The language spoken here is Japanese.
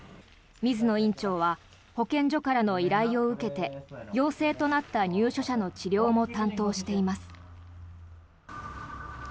水野院長は保健所からの依頼を受けて陽性となった入所者の治療も担当しています。